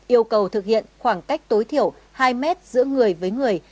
yêu cầu thực hiện khoảng cách tối thiểu hai mét giữa người với người